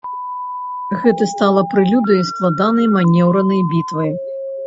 Гэта стала прэлюдыяй складанай манеўранай бітвы.